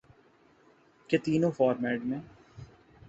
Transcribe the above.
کہ تینوں فارمیٹ میں